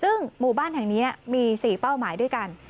ซึ่งหมู่บ้านแห่งนี้มี๔เป้าหมายด้วยกัน